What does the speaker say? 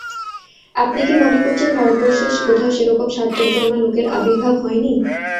আপনি কি মনে করছেন ভারতবর্ষের কোথাও সেরকম সার্থকজন্মা লোকের আবির্ভাব হয় নি?